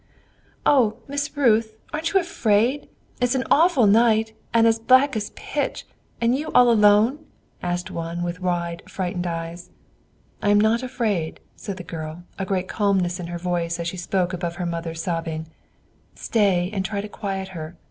"Oh, Miss Ruth, ain't you afraid? It's a awful night, and black as pitch, and you all alone?" asked one, with wide, frightened eyes. "I am not afraid," said the girl, a great calmness in her voice as she spoke above her mother's sobbing; "stay and try to quiet her.